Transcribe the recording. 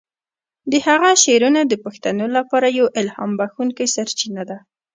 د هغه شعرونه د پښتنو لپاره یوه الهام بخښونکی سرچینه ده.